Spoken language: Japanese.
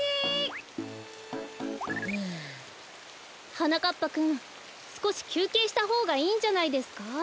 はなかっぱくんすこしきゅうけいしたほうがいいんじゃないですか？